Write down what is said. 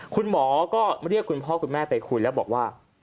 คุณหมอก็เรียกคุณพ่อคุณแม่ไปคุยแล้วบอกว่า